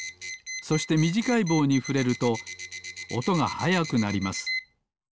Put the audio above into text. そしてみじかいぼうにふれるとおとがはやくなります。